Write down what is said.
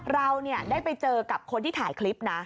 เราได้ไปเจอกับคนที่ถ่ายคลิปนะ